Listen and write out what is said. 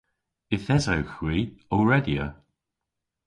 Yth esewgh hwi ow redya.